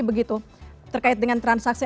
begitu terkait dengan transaksi